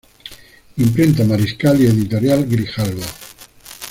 Imprenta Mariscal y Editorial Grijalbo.